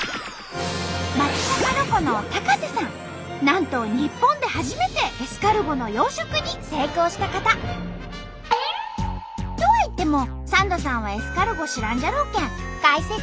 なんと日本で初めてエスカルゴの養殖に成功した方。とはいってもサンドさんはエスカルゴ知らんじゃろうけん解説！